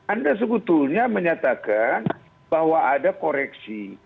anda sebetulnya menyatakan bahwa ada koreksi